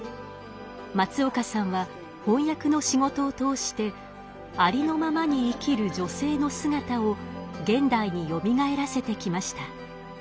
松岡さんは翻訳の仕事を通してありのままに生きる女性の姿を現代によみがえらせてきました。